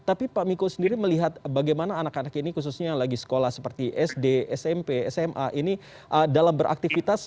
tapi pak miko sendiri melihat bagaimana anak anak ini khususnya lagi sekolah seperti sd smp sma ini dalam beraktivitas